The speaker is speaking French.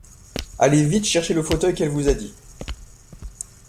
Allez vite chercher le fauteuil qu’elle vous a dit.